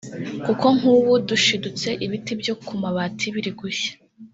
Kuko nk’ubu dushidutse ibiti byo ku mabati birigushya